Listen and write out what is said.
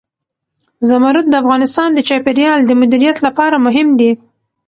زمرد د افغانستان د چاپیریال د مدیریت لپاره مهم دي.